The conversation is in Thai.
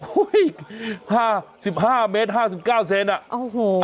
หุ้ย๑๕เมตร๕๙เซนต์อะ